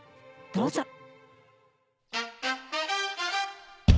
どうぞ。